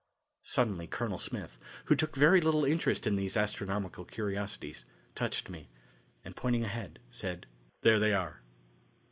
Suddenly Colonel Smith, who took very little interest in these astronomical curiosities, touched me, and pointing ahead, said: "There they are."